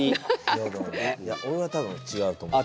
いや俺は多分違うと思う。